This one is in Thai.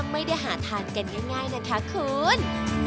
ไม่ได้หาทานกันง่ายนะคะคุณ